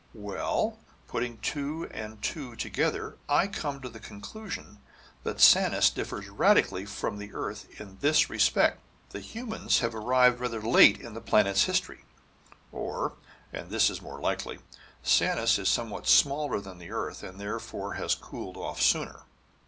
Well, putting two and two together, I come to the conclusion that Sanus differs radically from the earth in this respect: "The humans have arrived rather late in the planet's history. Or and this is more likely Sanus is somewhat smaller than the earth, and therefore has cooled off sooner.